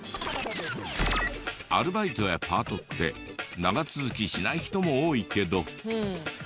アルバイトやパートって長続きしない人も多いけど。